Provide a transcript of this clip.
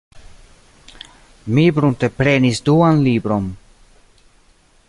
Mi prunteprenis duan libron.